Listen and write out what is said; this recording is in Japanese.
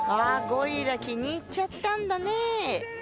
ゴリラ気に入っちゃったんだね